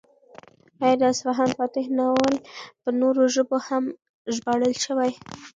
ایا د اصفهان فاتح ناول په نورو ژبو هم ژباړل شوی؟